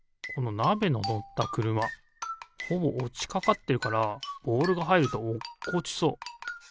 このなべののったくるまほぼおちかかってるからボールがはいるとおっこちそう。